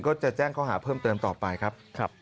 ก็จะแจ้งข้อหาเพิ่มเติมต่อไปครับ